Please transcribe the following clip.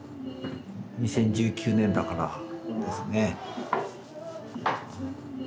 ２０１９年だからそうですね。